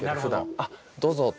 「あっどうぞ」と。